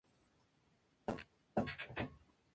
Es nativo del Sudeste Asiático y de algunas islas del Pacífico.